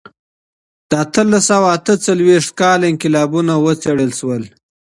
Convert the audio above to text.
د اتلس سوه اته څلوېښتم کال انقلابونه وڅېړل سول.